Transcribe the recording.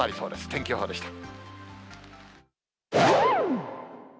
天気予報でした。